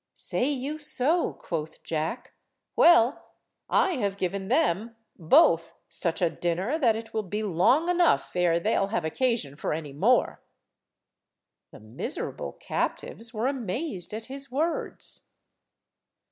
"Say you so," quoth Jack; "well, I have given them, both such a dinner that it will be long enough e'er they'll have occasion for any more." The miserable captives were amazed at his words.